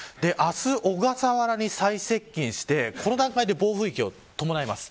明日、小笠原に再接近してこの段階で暴風域を伴います。